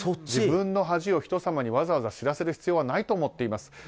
自分の恥を人様にわざわざ知らせる必要はないと思っています。